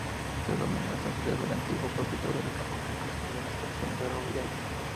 Su denominación se debe al antiguo propietario del campo que construyó la Estación Ferroviaria.